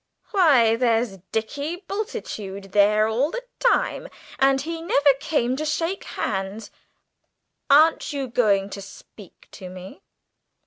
"Why, there's Dicky Bultitude there all the time, and he never came to shake hands! Aren't you going to speak to me?"